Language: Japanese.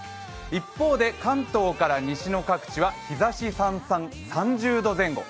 一方で、関東から西の各地は日ざしさんさん、３０度前後。